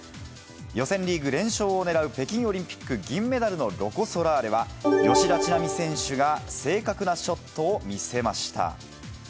予選リーグ連勝を狙う北京オリンピック銀メダルのロコ・ソラーレは、吉田知那美選手が正確なショットを見せました。